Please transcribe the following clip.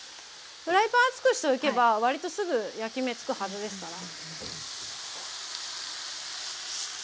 フライパン熱くしておけば割とすぐ焼き目付くはずですから。